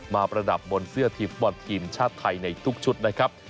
ประดับบนเสื้อทีมฟุตบอลทีมชาติไทยในทุกชุดนะครับ